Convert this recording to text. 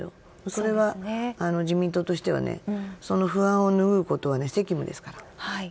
それは自民党としてはその不安を拭うことは責務ですから。